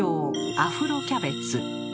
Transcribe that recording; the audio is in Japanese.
「アフロキャベツ」。